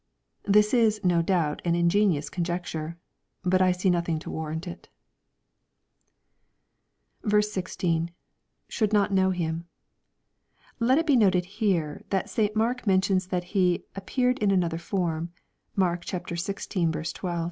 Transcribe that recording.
— ^This is, no doubt, an ingenious conjecture. But I see nothing to warrant it. 1 6. — [Should not Icnow him.] Let it be noted here, that St Mark mentions that He " appeared in another form." (Mark xvi. 12.)